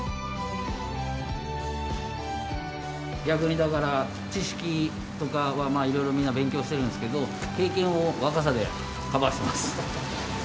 逆にだから知識とかはいろいろみんな勉強してるんですけど経験を若さでカバーしてます。